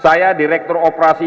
saya direktur operasi basama